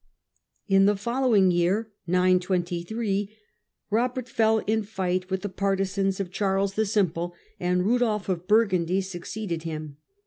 In the follow ing year, 923, Robert fell in fight with the partisans of Charles the Simple, and Rudolf of Burgundy succeeded RudoK of him.